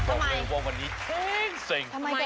บอกเลยว่าวันนี้เกิดขึ้น